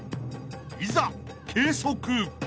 ［いざ計測］